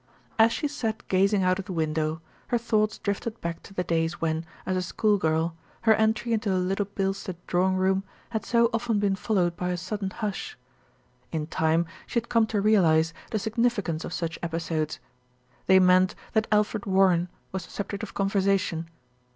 128 THE RETURN OF ALFRED As she sat gazing out of the window, her thoughts drifted back to the days when, as a schoolgirl, her entry into a Little Bilstead drawing room had so often been followed by a sudden hush. In time she had come to realise the significance of such episodes they meant that Alfred Warren was the subject of conversation.